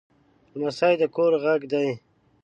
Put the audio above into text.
لمسی د کور غږ دی.